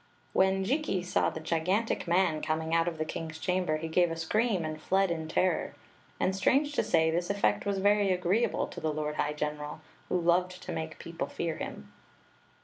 V^hen Jikki saw the gigantic man coming out of the icing's chamber, he gave a scream and fled in ter ror ; and, strange to say, this effect was very agreeable to the lord high general, who loved to make people fear him.